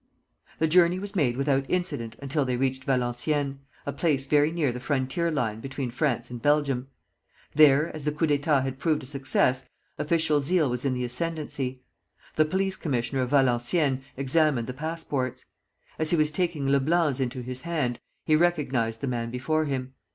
The journey was made without incident until they reached Valenciennes, a place very near the frontier line between France and Belgium. There, as the coup d'état had proved a success, official zeal was in the ascendency. The police commissioner of Valenciennes examined the passports. As he was taking Leblanc's into his hand, he recognized the man before him.